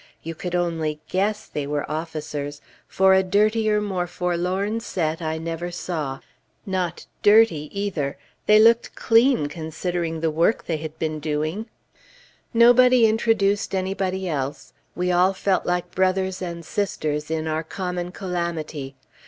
You could only guess they were officers, for a dirtier, more forlorn set I never saw. Not dirty either; they looked clean, considering the work they had been doing. Nobody introduced anybody else; we all felt like brothers and sisters in our common calamity.